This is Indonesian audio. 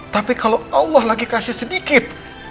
tapi kalau allah lagi kasih sedikit